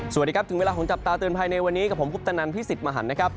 สวัสดีครับถึงเวลาของจับตาเตือนภัยในวันนี้กับผมคุปตนันพี่สิทธิ์มหันนะครับ